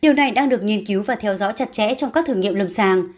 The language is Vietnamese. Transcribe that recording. điều này đang được nghiên cứu và theo dõi chặt chẽ trong các thử nghiệm lâm sàng